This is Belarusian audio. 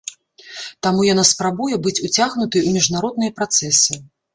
Таму яна спрабуе быць уцягнутай у міжнародныя працэсы.